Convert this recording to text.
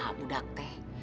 aduh kemah budak teh